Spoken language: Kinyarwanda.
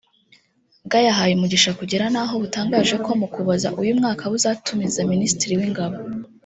bwayahaye umugisha kugera n’aho butangaje ko mu Ukuboza uyu mwaka buzatumiza Minisitiri w’Ingabo